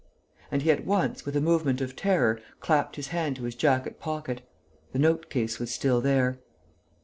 And he at once, with a movement of terror, clapped his hand to his jacket pocket. The note case was still there.